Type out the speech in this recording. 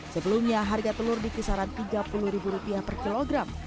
sebelumnya harga telur di kisaran rp tiga puluh per kilogram